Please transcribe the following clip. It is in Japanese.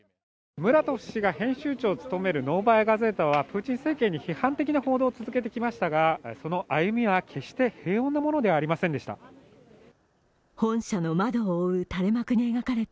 ムラトフ氏が編集長を務める「ノーバヤ・ガゼータ」はプーチン政権に批判的な報道を続けていますがその歩みは決して平穏なものではありませんでした。